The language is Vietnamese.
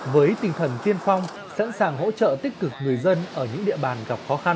với tinh thần tiên phong sẵn sàng hỗ trợ tích cực